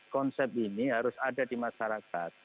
konsep ini harus ada di masyarakat